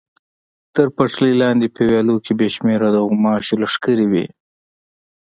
تر پټلۍ لاندې په ویالو کې بې شمېره د غوماشو لښکرې وې.